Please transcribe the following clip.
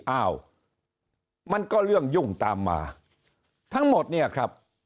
อ้าวมันก็เรื่องยุ่งตามมาทั้งหมดเนี่ยครับ